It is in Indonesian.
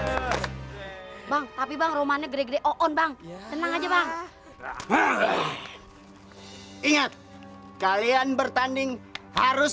hai bang tapi bang romanya gede gede on bang tenang aja bang ingat kalian bertanding harus